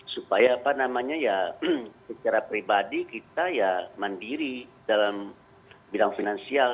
supaya apa namanya ya secara pribadi kita ya mandiri dalam bidang finansial